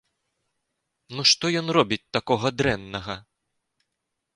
Ну, што ён робіць такога дрэннага?